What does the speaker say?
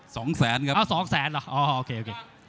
สองแสนครับอ้าวสองแสนเหรออ๋อโอเคสิ